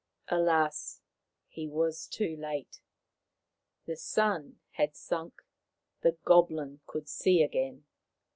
Alas ! he was too late. The sun had sunk ; the goblin could see again.